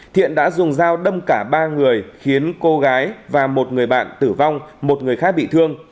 thiện đã dùng dao đâm cả ba người khiến cô gái và một người bạn tử vong một người khác bị thương